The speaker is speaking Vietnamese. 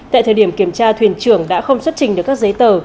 tại thời điểm kiểm tra thuyền trưởng đã không xuất trình được các giấy tờ